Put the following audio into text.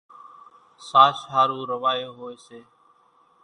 ساش ۿارُو روايو هوئيَ سي۔